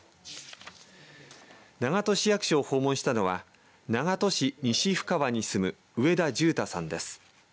長門市役所を訪問したのは長門市西深川に住む上田十太さんです。